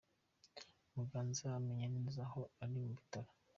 Muganza ameze neza aho ari mu bitaro